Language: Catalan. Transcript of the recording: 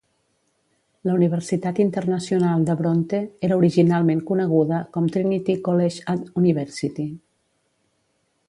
La Universitat Internacional de Bronte era originalment coneguda com "Trinity College and University".